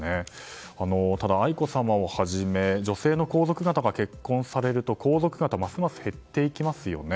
ただ、愛子さまをはじめ女性の皇族方が結婚されると、皇族方はますます減っていきますよね。